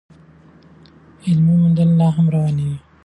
علمي موندنې لا هم روانې دي.